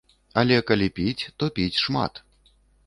Але калі піць, то піць шмат.